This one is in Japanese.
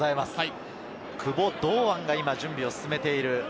久保、堂安が今準備を進めている。